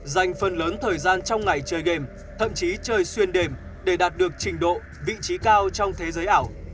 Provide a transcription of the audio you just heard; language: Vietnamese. dành phần lớn thời gian trong ngày chơi game thậm chí trời xuyên đêm để đạt được trình độ vị trí cao trong thế giới ảo